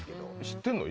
知ってんの？